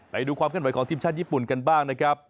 ไปดูความขึ้นไหวของทีมชาติญี่ปุ่นกันบ้างนะครับ